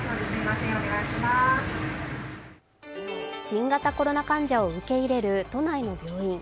新型コロナ患者を受け入れる都内の病院。